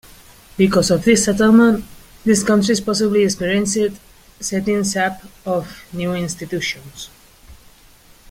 Because of this settlement, these countries possibly experienced setting up of new institutions.